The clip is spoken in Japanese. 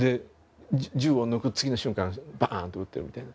銃を抜く次の瞬間、ばーんと撃ってみたいな。